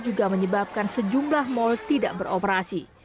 juga menyebabkan sejumlah mal tidak beroperasi